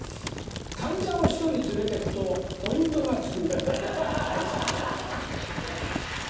患者を１人連れてくとポイントが付く歯医者さん。